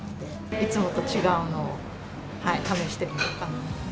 いつもと違うのを試してみようかなと。